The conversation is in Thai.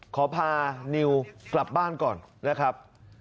ขอพานิวกลับบ้านก่อนนะครับ